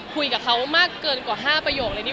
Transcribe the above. คุยกับเขามากเกินกว่า๕ประโยคเลยนี่